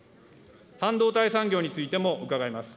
半導体産業についても伺います。